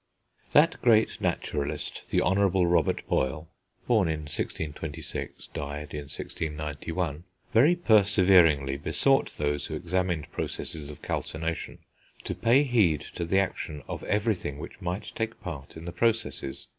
That great naturalist, the Honourable Robert Boyle (born in 1626, died in 1691), very perseveringly besought those who examined processes of calcination to pay heed to the action of everything which might take part in the processes.